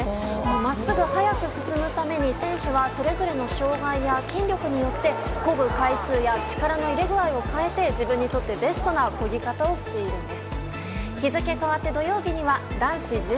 まっすぐ速く進むために、選手はそれぞれの障がいや筋力によって、こぐ回数や力の入れ具合を変えて、自分にとってベストなこぎ方をしているんです。